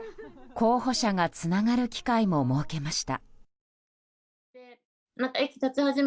候補者がつながる機会も設けました。